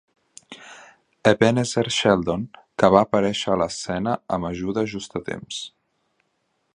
Ebenezer Sheldon, que va aparèixer a l'escena amb ajuda just a temps.